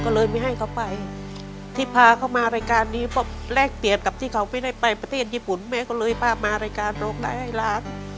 ก็เลยไม่ให้เขาไปที่พาเขามารายการนี้เพราะแลกเปรียบกับที่เขาไม่ได้ไปประเทศญี่ปุ่นแม่ก็เลยพามารายการร้องได้ให้ล้าน